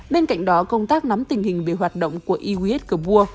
bên cạnh đó công tác nắm tình hình về hoạt động của i w s kabur